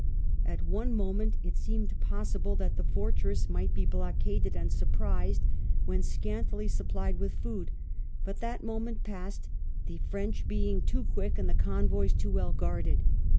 At one moment it seemed possible that the fortress might be blockaded and surprised when scantily supplied with food, but that moment passed, the French being too quick and the convoys too well guarded.